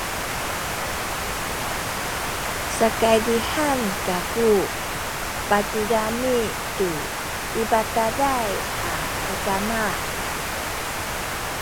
sakaydihan kaku patigami tu i bataday a kakama